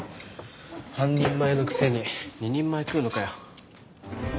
半人前のくせに２人前食うのかよ。